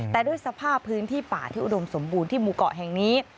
แต่ด้วยสภาพพื้นที่ป่าที่อุดมสมบูรณ์ที่หมู่เกาะแห่งนี้